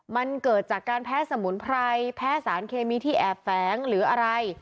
มันเกิดจากการแพ้สมุนไพรแพ้สารเคมีที่แอบแฝงหรืออะไร